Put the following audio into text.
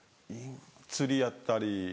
釣りやったり。